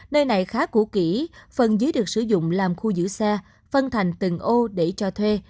nơi này khá cũ kỹ phần dưới được sử dụng làm khu giữ xe phân thành từng ô để cho thuê